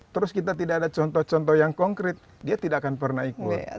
terus kita tidak ada contoh contoh yang konkret dia tidak akan pernah ikut